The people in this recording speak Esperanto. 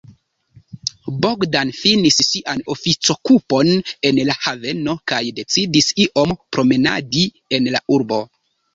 Bogdan finis sian oficokupon en la haveno kaj decidis iom promenadi en la urbo.